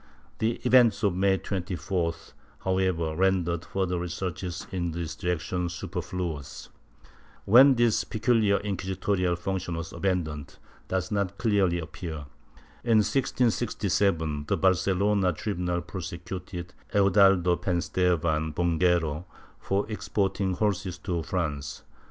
^ The events of May 24th, however, rendered further researches in this direction superfluous. When this peculiar inquisitorial function was abandoned, does not clearly appear. In 1667 the Barcelona tribunal prosecuted Eudaldo Penstevan Bonguero for exporting horses to France.